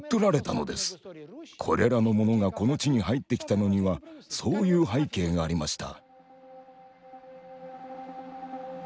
これらのものがこの地に入ってきたのにはそういう背景がありました。